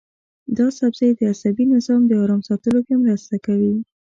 دا سبزی د عصبي نظام د ارام ساتلو کې مرسته کوي.